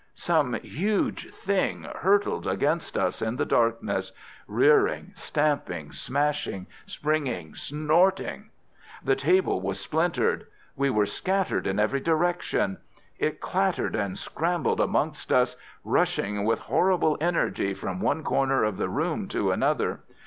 Some huge thing hurtled against us in the darkness, rearing, stamping, smashing, springing, snorting. The table was splintered. We were scattered in every direction. It clattered and scrambled amongst us, rushing with horrible energy from one corner of the room to another.